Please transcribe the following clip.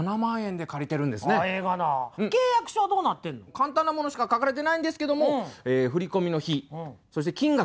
簡単なものしか書かれてないんですけども振り込みの日そして金額